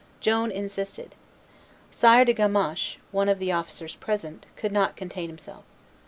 Joan insisted. Sire de Gamaches, one of the officers present, could not contain himself.